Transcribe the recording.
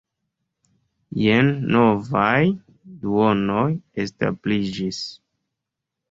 Jen novaj duonoj establiĝis.